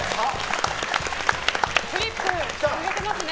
フリップ提げてますね。